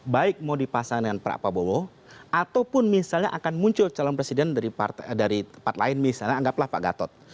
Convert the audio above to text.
baik mau dipasang dengan pak prabowo ataupun misalnya akan muncul calon presiden dari tempat lain misalnya anggaplah pak gatot